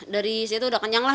dari situ udah kenyang lah